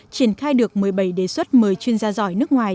triển khai được một mươi bảy đề xuất một mươi chuyên gia giỏi nước ngoài